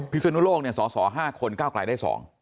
พิสุนุโลกสอ๕คนก้าวกลายได้๒